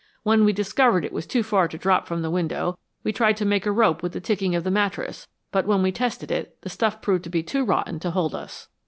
When we discovered it was too far to drop from the window, we tried to make a rope with the ticking of the mattress, but when we tested it, the stuff proved to be too rotten to hold us."